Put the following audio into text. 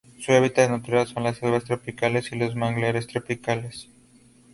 Su hábitat natural son las selvas tropicales y los manglares tropicales.